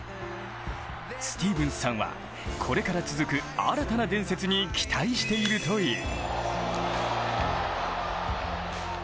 スティーブンスさんはこれから続く新たな伝説に期待しているという。